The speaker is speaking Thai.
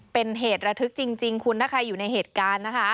เป็นเหตุระทึกจริงคุณถ้าใครอยู่ในเหตุการณ์นะคะ